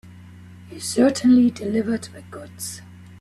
You certainly delivered the goods.